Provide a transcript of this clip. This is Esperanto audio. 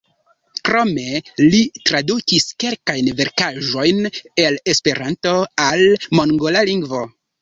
Krome li tradukis kelkajn verkaĵojn el Esperanto al mongola lingvo.